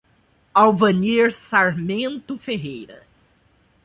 Alvanir Sarmento Ferreira